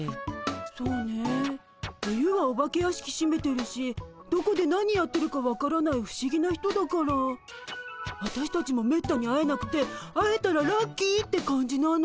そうね冬はお化け屋敷しめてるしどこで何やってるか分からない不思議な人だからあたしたちもめったに会えなくて会えたらラッキーって感じなの。